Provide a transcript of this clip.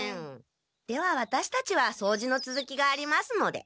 ではワタシたちはそうじのつづきがありますので。